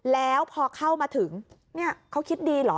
แล้วพอเข้ามาถึงเนี่ยเขาคิดดีเหรอ